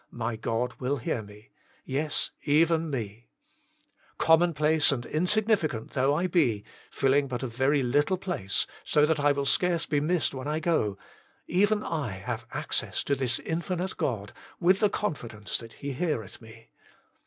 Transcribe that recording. "My God will hear me !" Yes, me, even me ! Common place and insignificant though I be, filling but a very little place, so that I will scarce be missed when I go even I have access to this Infinite God, with the confidence that He heareth me.